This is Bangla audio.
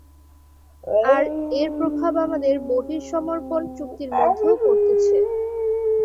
আর এর প্রভাব আমাদের বহিঃসমর্পণ চুক্তির মধ্যেও পড়তেছে।